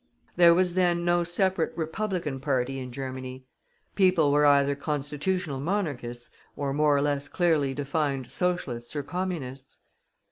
There was then no separate Republican party in Germany. People were either Constitutional Monarchists, or more or less clearly defined Socialists or Communists.